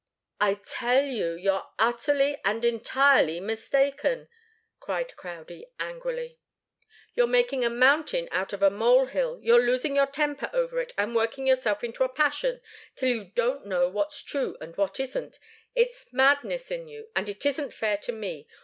"I tell you, you're utterly and entirely mistaken!" cried Crowdie, angrily. "You're making a mountain out of a mole hill. You're losing your temper over it, and working yourself into a passion, till you don't know what's true and what isn't. It's madness in you, and it isn't fair to me.